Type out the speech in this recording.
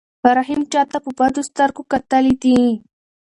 رحیم چاته په بدو سترګو کتلي دي؟